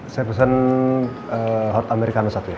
saya pesen hot americano satu ya